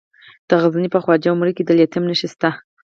د غزني په خواجه عمري کې د لیتیم نښې شته.